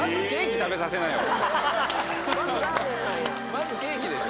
まずケーキでしょ。